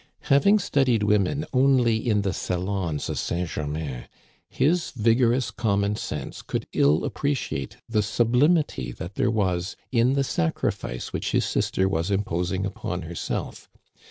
Having studied women only in the salons of St. Ger main, his vigorous common sense could ill appreciate the sublimity that there was in the sacrifice which his sister was imposing upon herself.